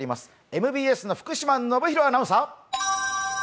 ＭＢＳの福島暢啓アナウンサー！